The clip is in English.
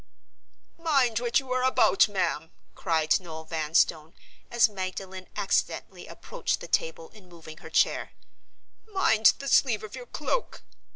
"Mind what you are about, ma'am!" cried Noel Vanstone, as Magdalen accidentally approached the table in moving her chair. "Mind the sleeve of your cloak!